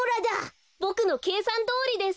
ボクのけいさんどおりです。